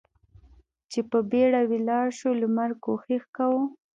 چې په بېړه ولاړ شو، لمر کوښښ کاوه.